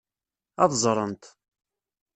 Ad ẓrent.